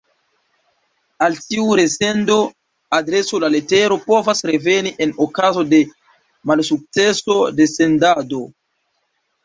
Al tiu resendo-adreso la letero povas reveni en okazo de malsukceso de sendado.